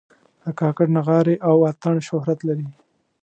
د کاکړ نغارې او اتڼ شهرت لري.